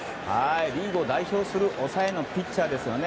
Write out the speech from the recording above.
リーグを代表する抑えのピッチャーですね。